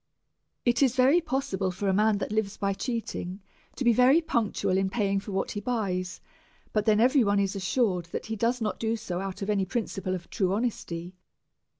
It is very possible for a man that lives by cheating to be very punctual in paying; for what he buys^ but then every one is assured that he does not do so out of any principle of true honesty.